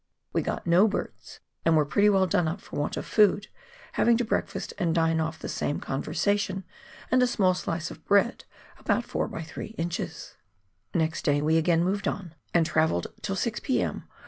"We got no birds, and were pretty well done up for want of food, having to breakfast and dine off the same con versation and a small slice of bread about 4 by 3 inches ! Next day we again moved on, and travelled till 6 p.m.